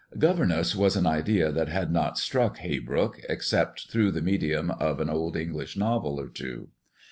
"Governess" was an idea that had not struck Haybrook, except through the medium of an old English novel or two.